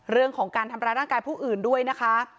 เรื่องของการทำร้ายร่างกายผู้อื่นด้วยนะคะ